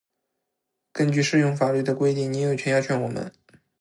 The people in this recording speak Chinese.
根据适用法律的规定，您有权要求我们：